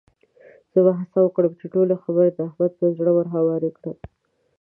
زه به هڅه وکړم چې ټولې خبرې د احمد پر زړه ورهوارې کړم.